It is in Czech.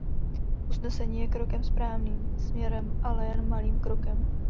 Usnesení je krokem správným směrem, ale jen malým krokem.